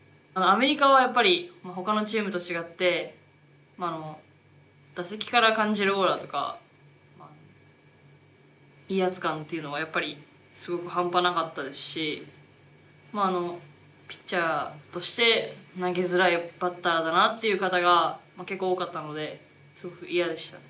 アメリカはやっぱりほかのチームと違って打席から感じるオーラとか威圧感というのがやっぱりすごく半端なかったですしピッチャーとして投げづらいバッターだなって言う方が結構多かったのですごく嫌でしたね。